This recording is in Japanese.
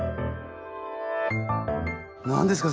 何ですか？